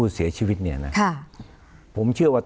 คุณจอมขอบพระคุณครับ